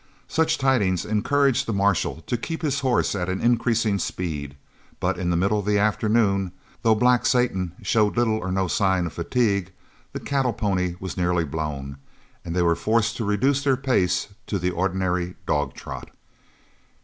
Such tidings encouraged the marshal to keep his horse at an increasing speed; but in the middle of the afternoon, though black Satan showed little or no signs of fatigue, the cattle pony was nearly blown and they were forced to reduce their pace to the ordinary dog trot.